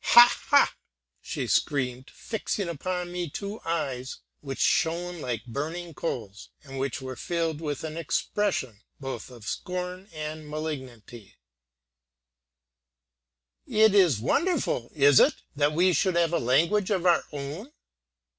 "Ha, ha!" she screamed, fixing upon me two eyes which shone like burning coals, and which were filled with an expression both of scorn and malignity, "it is wonderful, is it, that we should have a language of our own?